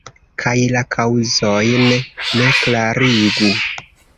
Kaj la kaŭzojn ne klarigu.